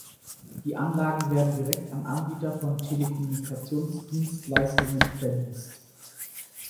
Die Anlagen werden direkt an Anbieter von Telekommunikationsdienstleistungen verleast.